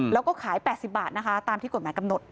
แล้วก็ขาย๘๐บาทนะคะตามที่กฎหมายกำหนด